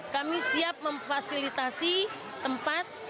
kami siap memfasilitasi tempat